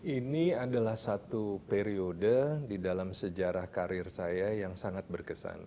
ini adalah satu periode di dalam sejarah karir saya yang sangat berkesan